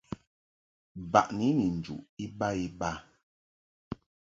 Baʼni ni njuʼ iba iba.